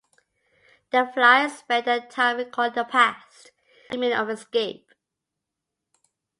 The fliers spend their time recalling the past and dreaming of escape.